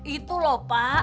itu loh pak